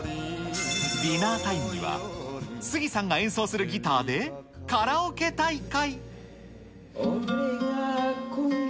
ディナータイムには、杉さんが演奏するギターで、カラオケ大会。